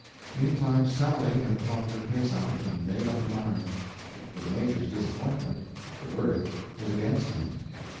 Meantime Sally had thought her case out and made up her mind. To the major's disappointment the verdict was against him.